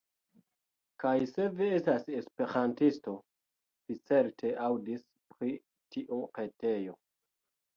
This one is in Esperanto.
Kaj se vi estas Esperantisto, vi certe aŭdis pri tiu retejo.